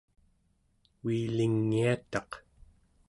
uilingiataq